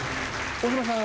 大島さん